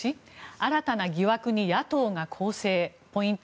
新たな疑惑に野党が攻勢ポイント